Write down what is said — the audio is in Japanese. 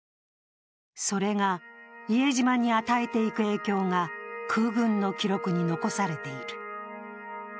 それが伊江島に与えていく影響が空軍の記録に残されている。